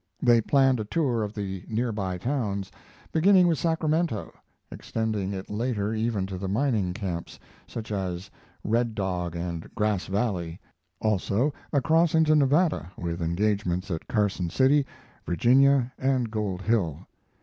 They planned a tour of the near by towns, beginning with Sacramento, extending it later even to the mining camps, such as Red Dog and Grass Valley; also across into Nevada, with engagements at Carson City, Virginia, and Gold Hill.